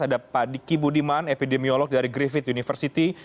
ada pak diki budiman epidemiolog dari griffith university